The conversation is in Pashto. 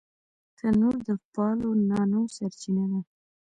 تنور د پالو نانو سرچینه ده